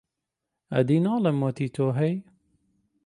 ئەدی ناڵێم، وەتی تۆ هەی،